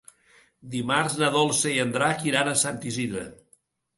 Dimarts na Dolça i en Drac iran a Sant Isidre.